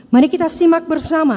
mari kita simak bersama